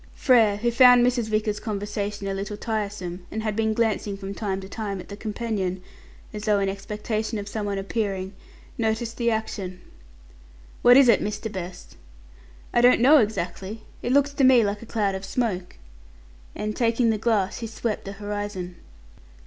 Frere, who found Mrs. Vickers's conversation a little tiresome, and had been glancing from time to time at the companion, as though in expectation of someone appearing, noticed the action. "What is it, Mr. Best?" "I don't know exactly. It looks to me like a cloud of smoke." And, taking the glass, he swept the horizon.